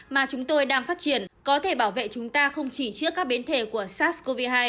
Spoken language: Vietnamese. mà chúng tôi đang phát triển có thể bảo vệ chúng ta không chỉ trước các biến thể của sars cov hai